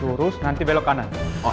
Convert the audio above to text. lurus nanti belok kanan